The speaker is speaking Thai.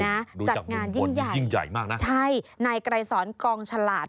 จัดงานยิ่งใหญ่ยิ่งใหญ่มากนะใช่นายไกรสอนกองฉลาด